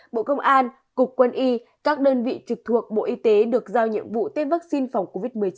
bộ công an cục quân y các đơn vị trực thuộc bộ y tế được giao nhiệm vụ tiêm vaccine phòng covid một mươi chín